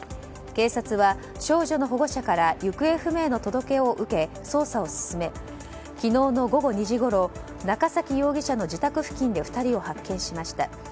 警察は少女の保護者から行方不明の届けを受け捜査を進め、昨日の午後２時ごろ中崎容疑者の自宅付近で２人を発見しました。